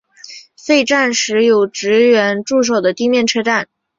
废站时为有职员驻守的地面车站。